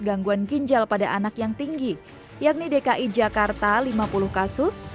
gangguan ginjal pada anak yang tinggi yakni dki jakarta lima puluh kasus